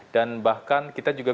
dan bahkan kita juga